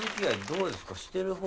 どうですか？